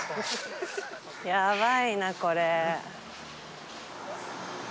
やばいなこれ。